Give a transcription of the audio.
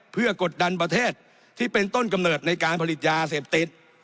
เพื่อกดดันประเทศที่เป็นต้นกำเนิดในการผลิตยาเสพติด